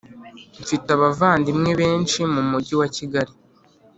Mfite abavandimwe benshi mumujyi wa Kigali